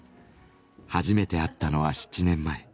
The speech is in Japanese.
初めて会ったのは７年前。